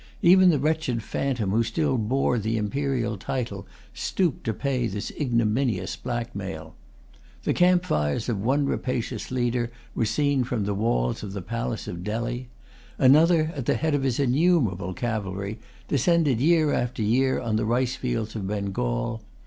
Even the wretched phantom who still bore the imperial title stooped to pay this ignominious black mail. The camp fires of one rapacious leader were seen from the walls of the palace of Delhi. Another, at the head of his innumerable cavalry, descended year after year on the rice fields of Bengal.